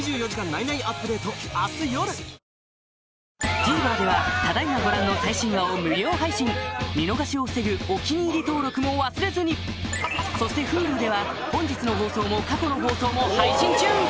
ＴＶｅｒではただ今ご覧の最新話を無料配信見逃しを防ぐ「お気に入り」登録も忘れずにそしてＨｕｌｕでは本日の放送も過去の放送も配信中！